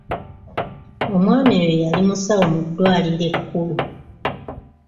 Omwami oyo yali musawo mu ddwaliro ekkulu.